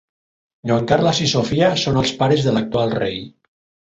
Joan Carles i Sofia són els pares de l'actual rei.